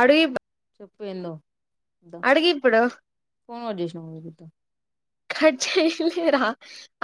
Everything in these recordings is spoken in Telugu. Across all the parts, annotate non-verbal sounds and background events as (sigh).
అడుఇబ్ వెందో అడుగిప్పుడు కట్ చేసినావు ఇద్దా చెయ్ర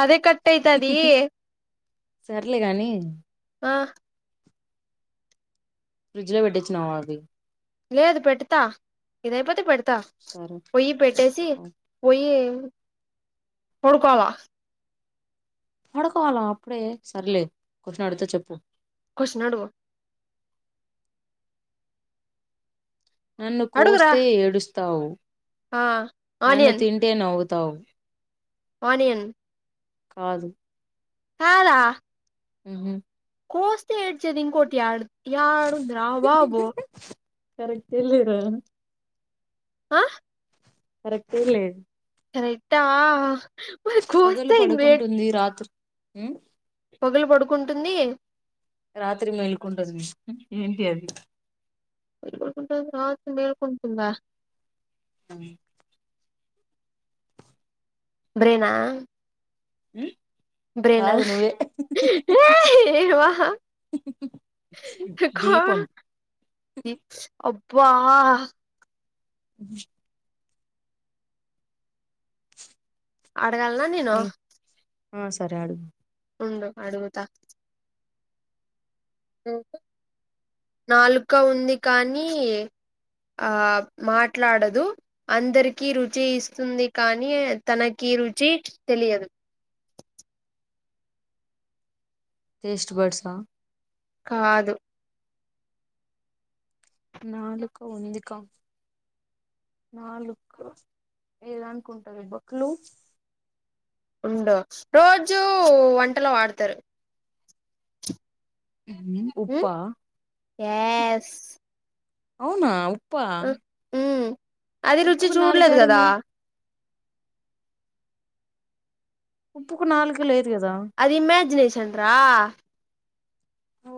అదే కట్టైతది సర్లే గాని ఆ ఫ్రిడ్జ్ లో పెటిచ్చనావా అది లేదు పెటుతా ఇదైపోతే పెట్ త సరే పోయి పెట్టేసి పోయి పడుకోళ్ల పడుకోవాల అప్పుడే సర్లే కొషన్ అడుగుత చెప్పు కొషనడుగు నన్ను అడుగురా కోస్తే ఏడుస్తావు ఆ నన్ను ఆనియన్ తింటే నవ్వు తవ్ ఆనియన్ కాదు కాదా ఉహు కోస్తే ఏడ్చేది ఇంకోటి యాడ్ యాడుంద్రా బాబు కరెక్ట్ ఎల్లిరా ఆ కరెక్టేలే కరెక్టా మరి పగలు కోస్తే పడుకుంటుంది రాత్రి పొగలు పడుకుంటుంది రాత్రి మెల్కుంటది ఏంటి అది పోగులు పడుకుంటుంది రాత్రి మేలుకుంటుందా అ బ్రైనా ఉ బ్రేనా కాదు నువ్వే కొ దీపం అబ్బా అ పెడగాలనా నేను ఉమ్, ఆ సరే అడుగు ఉండు అడుగుతా నాలుకా ఉంది కానీ ఆ మాట్లాడదు అందరికి రుచి ఇస్తుంది కానీ తనకి ఇ రుచి తెలియదు టెస్ట్ బర్డ్స్అ కాదు నాలుకో ఉందిక నాలుక్ ఏలా అనుకుంటారు బక్లు ఉండో రోజు వంటలో వాడతారు. ఉప్పా ఏస్ అవునా ఉప్పా ఉమ్ అది రుచి ఉప్పుకు చూడలేదు కదా నాలుకేడుంది ఉప్పుకు నాలుక లే అది ఇమాజినేషన్ రా ఓ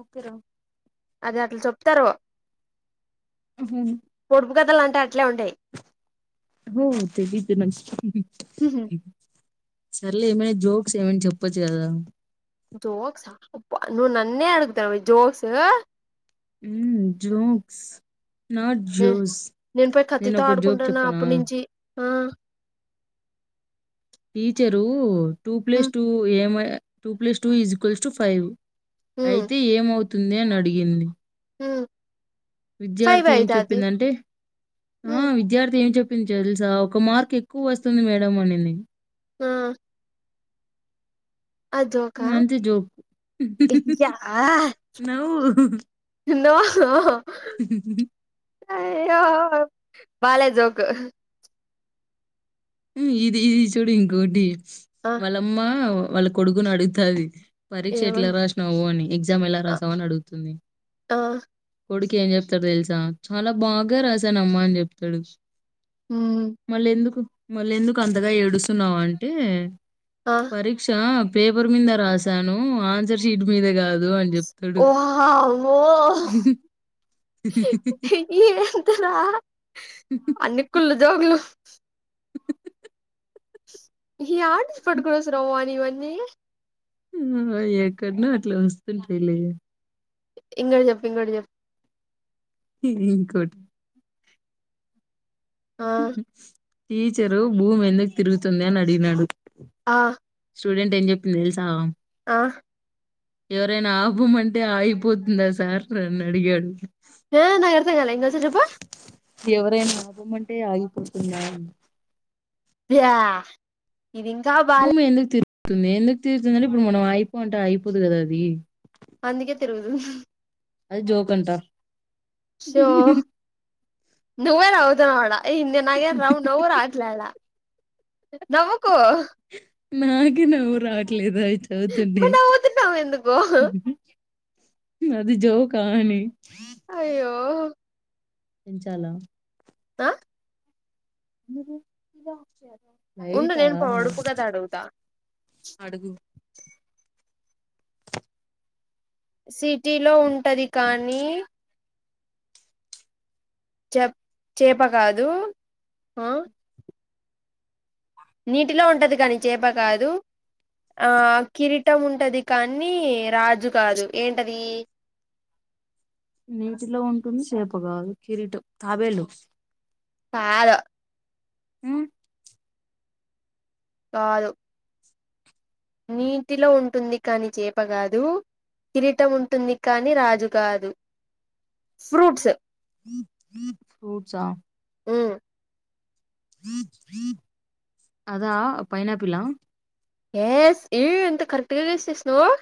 ఓకే రా అది అట్లు చెప్తారు ఉహో పొడుపు కథలు అంటే అట్లే ఉంటాయి. బు తెదితే నంచు సరేలే ఏమైనా జోక్స్ ఏమైనా చెప్పొచ్చు కదా జోక్స్ అప్ప నువ్ నన్నే అడుగుతావ జోక్స్ ఉ జోక్స్ నాట్ మ్ జోస్ నేను పో కత్తితో ఒక జోక్ ఆడుకుంటాన్నా చెప్పనా అప్పటి నుంచి ఆ teacher two um plus two ఏమ two plus two equals to five um అయితే ఏమవుతుంది అని అడిగింది. ఉమ్ ఫైవ్ విద్యార్థి ఏం అయితాది చెప్పిందింటే ఆ ఉమ్ విద్యార్థి ఏం చెప్పి పిలిచి తెలుసా ఒక మార్క్ ఎక్కువ వస్తుంది మేడం అనింది. హ అదోకా ఉమ్, అంతే జోక్. ఇ యా నవ్వు. తిందో హా ఆహా హుహు హు అయ్యో బాలే జోక్ ఇది ఇది చూడు ఇంకోటి ఆ వాళ్ళమ్మ వాళ్ళ కొడుకుని అడుగుతాది. పరీక్ష ఎట్లా ఏమన్ రాసినావు అని ఎగ్జామ్ ఎలా ఆ రాసావు అని అడుగుతుంది. ఆ కొడుకి ఏం చెప్తాడు తెలుసా చాలా బాగా రాసాను అమ్మా అని చెప్తాడు. ఉమ్ మళ్ళీ ఎందుకు మళ్ళీ ఎందుకు అంతగా ఏడుస్తున్నావు అంటే ఆ పరీక్ష పేపర్ మీద రాసాను ఆన్సర్ షీట్ మీద కాదు అని చెప్ప ఓహా ఓ ఇ ఎంతార అన్ని కుళ్ళు జోగులు ఏడానించి పట్టుకుని వచ్చినవ్ వాణి ఇవ్వని అ ఎక్కడనే అట్లే వస్తుంటారు ఇంకోటి చెప్ ఇంకే చెప్ ఇద్గో ఇంకోటి ఆ టీచరు భూమి ఎందుకు తిరుగుతుంది అని అడిగినడు ఆ స్టూడెంట్ ఏం చెపిరు తెలుసా ఆ ఎవరైనా ఆపమంటే ఆగిపోతుందా సార్ నని అడిగాడు ఏమనవ్ అర్థంకలే ఇంకోసారి చెప్పు ఎవరైనా ఆపమంటే ఆగిపోతుందా యా ఇది ఇంకా బా భూమి ఎందుకు తిరుగుతుంది అంటే ఇప్పుడు మనం ఆగిపో అంటే ఆగిపోదు కదా అది అందుకే తిరుగుతుంది అది జోకంటా స్యో నువ్వే రావాడదా ఇందే నాగ్యారు నవ్వు నవ్వు రావట్లాడ నవకు నాకే నవ్వు రావటలేదు అవి చదువుతుంటే మరి నవ్వుతున్నావు ఎందుకు అది జోక అని అయ్యో పెంచాలా ఆ ఉండు వైటా నేను పొడుపు కథ అడుగుతా అడుగు సిటీలో ఉంటది కానీ చెప్ చేప కాదు ఆ నీటిలో ఉంటది కాని చేప కాదు ఆ కిరీటం ఉంటది కానీ రాజు కాదు ఏంటది (inaudible) నీటిలో ఉంటుంది చేప కాదు కిరీటం తాబేలు కాదు ఉమ్ కాదు నీటిలో ఉంటుంది కాని చేపకాదు కిరీటం ఉంటుంది కానీ రాజు కాదు ఫ్రూట్స్ ఫ్రూట్స్ ఆ ఉమ్ అదా పైనాపిల ఎస్ ఏయ అంత కరెక్ట్గా గెస్ చేసినావ్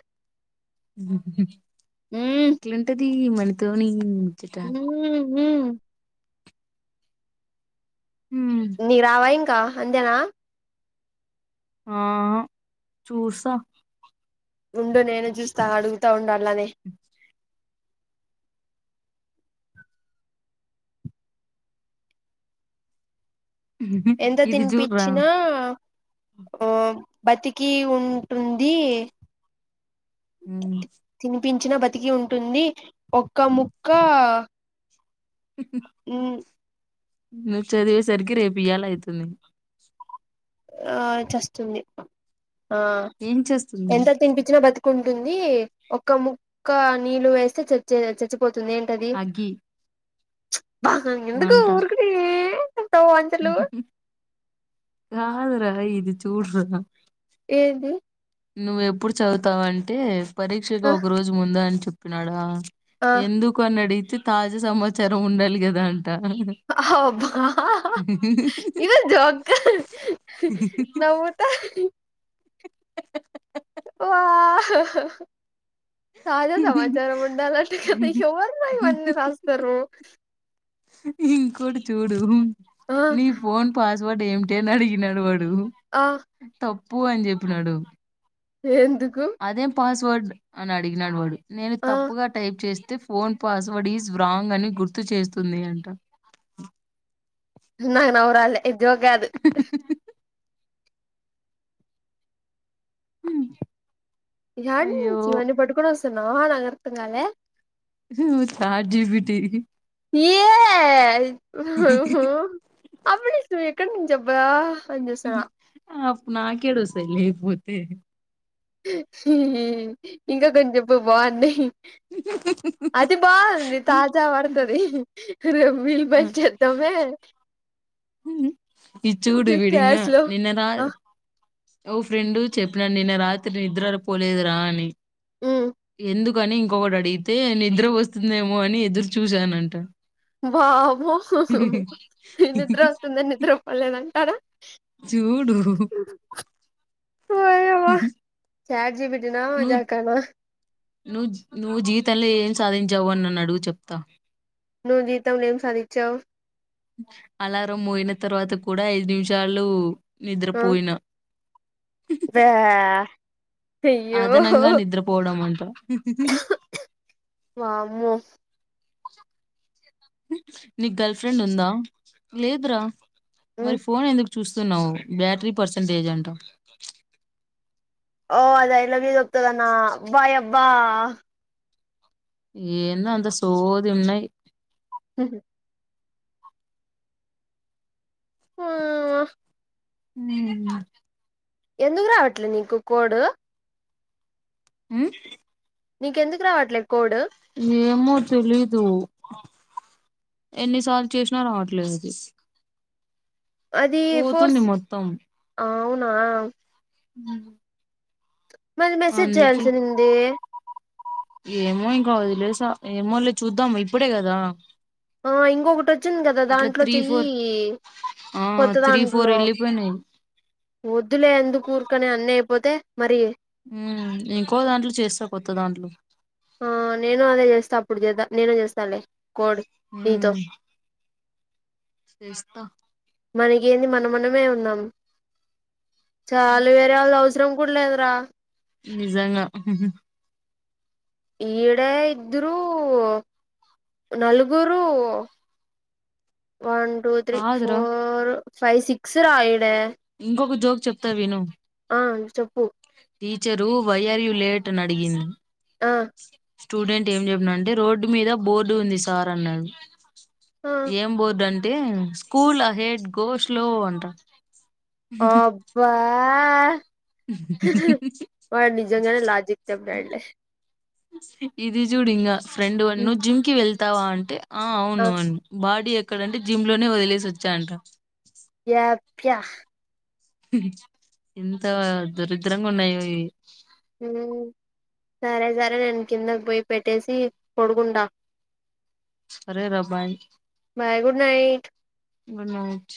అట్లుంటాది మనతోని ముచ్చట ఉహ్మ్ నివ్ రావా ఇంకా అంతేనా ఆహా చూసా ఉండు నేను చూస్తా అడుగుతా ఉండు అననీ ఎంత ఇది చూడరా తినిపిచ్చినా ఓ బతికి ఉంటుంది ఉ పించిన బతికి ఉంటుంది ఒక్క ముక్క ఉ నువ్వు చదివేసరికి రేపు ఇయ్యాలయితుంది ఆ చస్తుంది ఆ ఏం చేస్తుంది ఎంత తినిపించినా బతుకుం టుంది ఒక ముక్క నీళ్ళు వేస్తే చెచె చచ్చి పోతుంది ఏంటది అగ్గి బ ఎందుకు మంట ఊర్కనే కాదురా ఇది చూడ్రా ఏది నువ్వు ఎప్పుడు చదువుతావంటే పరీక్షకు ఆ! ఒక రోజు ముంద అని చెప్పినాడా ఆ! ఎందుకు అని అడిగితే తాజా సమాచారం ఉండాలి కదా అంట అబ్బా ఇదా జోక్గా నవ్వుతా (inaudible) వా తాజా సమాచారం ఉండాలంట కదా ఎవ్వరూ రా ఇవన్నీ రాస్తారు (inaudible) చూడు చూడు ఆ నీ ఫోన్ పాస్వర్డ్ ఏంటి అని అడిగినాడు వాడ్ డు ఆ తప్పు అని చెప్పినాడు ఏంది అదేం పాస్వర్డ్ అని అడిగినాడు వాడు నేను ఆ తప్పుగా టైప్ చేస్ అయితే ఫోన్ పాస్వర్డ్ ఈజ్ రాంగ్ అని గుర్తు చేస్తుంది అంట నాకు నవ్వు రాలే ఇది జోక్ కాదు ఎడనించి అయ్యో ఇవన్నీ పట్టుకొని వస్తన్నావ్ నాకు అర్థం కాలే చాట్ జీపీటీ ఏ అప్పుడు నువ్ ఎక్కడ నుంచి అబ్బా అని చూస్తున్నా ఆపు నాకెడోస్తాయి లేకపోతే ఇంకా కొని చెప్పు బాగున్నయ్ అది బా ఉంది తాజా వర్ తది రెప్ వీల్పని చేద్దామే ఈ చూడు విడింగ క్లాస్ లో నిన్నదా ఆ ఓ ఫ్రెండు చెప్పినాను నిన్న రాత్రి నిద్రపోలేదురా అని ఎందు కని ఇంకొకడు అడిగితే నిద్ర వస్తుందేమో అని ఎదురు చూసానంట బాబు నిద్ర వస్తుందని నిద్ర పలేదంటారా చూడు చాట్ జి పి టి నా మజాకానా నువ్ నువ్వు జీవితంలో ఏం సాధించావు అని నన్ను అడుగు చెప్తా నువ్వు జీవితంలో ఏం సాధించావ్ అలారం మోయిన తర్వాత కూడా ఐదు నిమిషాలు నిద్రపోయిన బ్యా అయ్యో అదనంగా నిద్రపోవడం అంట వామ్మో నీకు గర్ల్ ఫ్రెండ్ ఉందా మరి ఫోన్ ఎందుకు చూస్తున్నావు బ్యాటరీ పర్సంటేజ్ అంట ఓ అది ఐ లవ్ యూ జప్తదనా వాయబ్బ ఏందో అంత సోది ఉన్నయ్ హ హావ మ్ మ్ ఎందుకు రావట్లె నీకు కోడ్ ఉమ్ నీకెందుకు రావట్లె కోడ్ ఏమొ తెలీదు ఎన్నిసార్ చేష్నా రావట్లేదది అదీ ఫోర్స్ మొత్తం ఔనా ఉమ్ మల్లి మెసేజ్ జేయాల్సిన్నింది ఏమో ఇంక వదిలేస ఏమోలే చూద్దామ్ ఇప్పుడే గదా ఓ ఇంకొకటొచ్చింది గద దాంట్లొ చెయ్యి ఫోర్ ఆ త్రీ ఫోరెళ్లిపొయ్నయ్ వొద్దులె ఎందుకు ఊర్కనె అన్ని ఐపోతె మరి ఊమ్ ఇంకో దాంట్లొ చేస్త కొత్త దాంట్లొ ఆ నేను అదె జేస్త అప్పుడు జేద్దా నేను జేస్తాలె కోడ్ నీతొ చేస్త ఏంది మనమనమే ఉన్నాం చాలు వేరే వాళ్ళవ్సరం కూడ్ లేద్రా నిజంగ ఈడే ఇద్దురూ నలుగురూ వన్ టూ త్రి కాదురా ఫోర్ ఫైవ్ సిక్స్ రా ఈడె ఇంకొక జోక్ చెప్త విను ఆన్ చెప్పు టీచరూ వైయ్యారువ్ లేట్ అనడిగింది అ స్టూడెంట్ ఏం జెప్న అంటె రోడ్డు మీద బోర్డు ఉంది సార్ అన్నాడు ఆ ఏం బోర్డంటే స్కూల్ అహెడ్ గోష్లో అంట ఆబ్బా వాడ్ నిజంగనే లాజిక్ చెప్పినాడ్లె ఇది జూడింగా ఫ్రెండువన్ నువ్ జిమ్కి వెళ్తావా అంటె ఆ ఔను అన్ బాడి ఎక్కడంటె జిమ్లొనె వదిలేసొచ్చా అంట ప్య ఎంతా దరిద్రంగున్నాయొ ఇవి ఊమ్ సరె సరె నేన్ కిందక్ పొయ్ పెట్టేసి పొడుకుంట సరే రా బాయ్ బాయ్ గుడ్నైట్ గుడ్నైట్